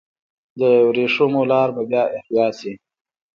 د ورېښمو لار به بیا احیا شي؟